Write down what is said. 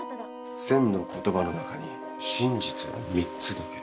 千の言葉の中に真実は三つだけ。